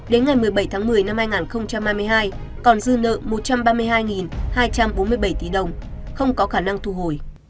đến ngày một mươi bảy tháng một mươi năm hai nghìn hai mươi hai còn dư nợ một trăm ba mươi hai hai trăm bốn mươi bảy tỷ đồng không có khả năng thu hồi